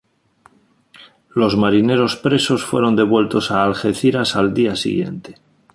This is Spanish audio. Los marineros presos fueron devueltos a Algeciras al día siguiente.